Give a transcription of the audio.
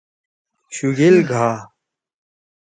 شُگیل گھا